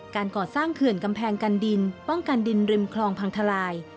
การก่อสร้างเขื่อนกำแพงกันดินป้องกันดินริมคลองพังทลาย